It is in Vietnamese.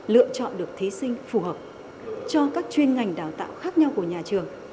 lựa chọn được thí sinh phù hợp cho các chuyên ngành đào tạo khác nhau của nhà trường